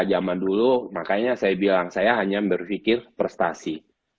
zaman dulu makanya saya bilang saya hanya berpikir prestasi